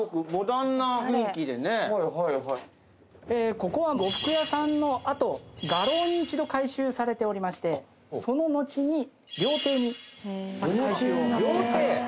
ここは呉服屋さんのあと画廊に一度改修されておりましてその後に料亭にまた改修をされました。